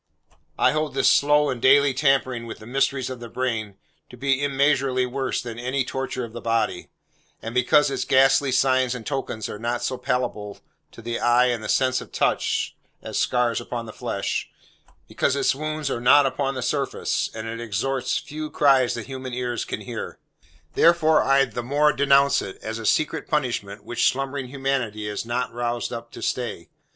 I hold this slow and daily tampering with the mysteries of the brain, to be immeasurably worse than any torture of the body: and because its ghastly signs and tokens are not so palpable to the eye and sense of touch as scars upon the flesh; because its wounds are not upon the surface, and it extorts few cries that human ears can hear; therefore I the more denounce it, as a secret punishment which slumbering humanity is not roused up to stay.